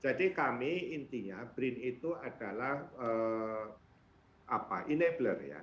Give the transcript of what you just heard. jadi kami intinya brin itu adalah apa enabler ya